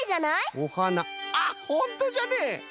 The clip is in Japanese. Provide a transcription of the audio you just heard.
おはなあっほんとじゃね！